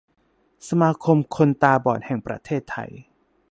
สมาคมคนตาบอดแห่งประเทศไทย